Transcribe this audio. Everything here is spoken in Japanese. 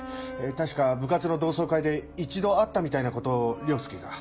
確か部活の同窓会で一度会ったみたいなことを凌介が。